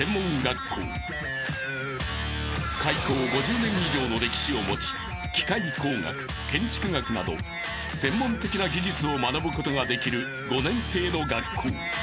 ［開校５０年以上の歴史を持ち機械工学建築学など専門的な技術を学ぶことができる５年制の学校］